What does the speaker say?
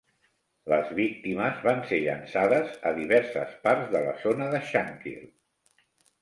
Les víctimes van ser llançades a diverses parts de la zona de Shankill.